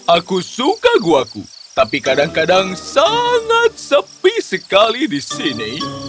aku suka gua tapi kadang kadang sangat sepi sekali di sini